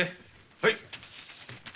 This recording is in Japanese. はい。